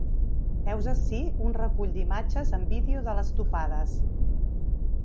Heus ací un recull d’imatges en vídeo de les topades.